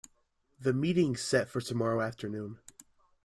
The meeting's set for tomorrow afternoon.